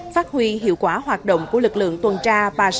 phát huy hiệu quả hoạt động của lực lượng tuần tra ba trăm sáu mươi